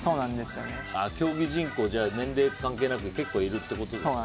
競技人口、年齢関係なく結構いるってことですね。